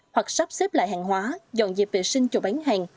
hoặc sắp xếp lại hàng hóa dọn dẹp vệ sinh cho bán hàng